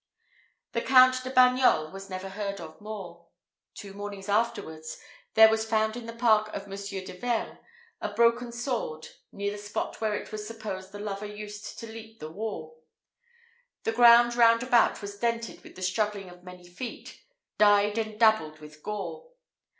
The Count de Bagnols was never heard of more. Two mornings afterwards, there was found in the park of M. de Vergne a broken sword, near the spot where it was supposed the lover used to leap the wall. The ground round about was dented with the struggling of many feet, died and dabbled with gore.